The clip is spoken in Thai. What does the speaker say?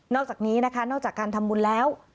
อกจากนี้นะคะนอกจากการทำบุญแล้ว